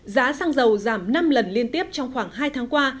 giá xăng dầu giảm năm lần liên tiếp trong khoảng hai tháng qua